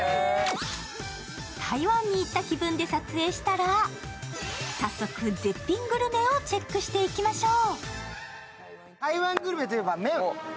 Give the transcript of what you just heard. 台湾に行った気分で撮影したら早速、絶品グルメをチェックしていきましょう。